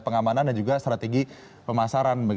pengamanan dan juga strategi pemasaran